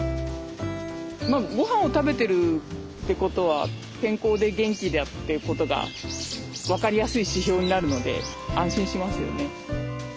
ごはんを食べてるってことは健康で元気だってことが分かりやすい指標になるので安心しますよね。